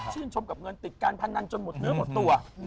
ชมกับเงินติดการพนันจนหมดเนื้อหมดตัว